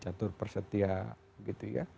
jadi catur persetia gitu ya